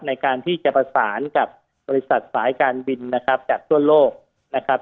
ในการที่จะประสานกับบริษัทสายการบินนะครับจากทั่วโลกนะครับ